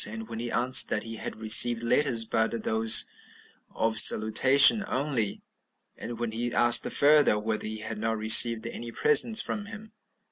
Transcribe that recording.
and when he answered that he had received letters, but those of salutation only; and when he asked further, whether he had not received any presents from him?